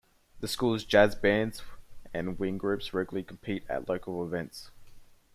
The school's jazz bands and wind groups regularly compete at local events.